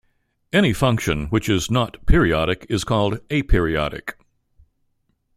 Any function which is not periodic is called aperiodic.